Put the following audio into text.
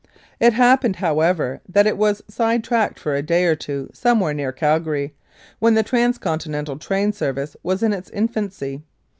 It happened, however, that it was side tracked for a day or two somewhere near Calgary, when the trans conti nental train service was in its infancy.